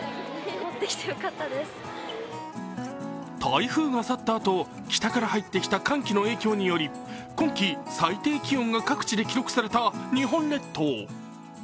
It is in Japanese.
台風が去ったあと、北から入ってきた寒気の影響により今季最低気温が各地で記録された日本列島。